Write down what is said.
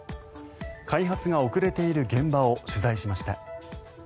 開発が遅れている現場を取材しました。